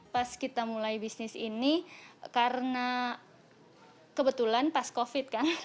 pas kita mulai bisnis ini karena kebetulan pas covid kan